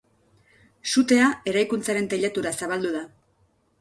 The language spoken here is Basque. Sutea eraikuntzaren teilatura zabaldu da.